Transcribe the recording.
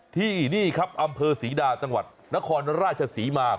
ที่นี่ครับอำเภอศรีดาจังหวัดนครราชศรีมา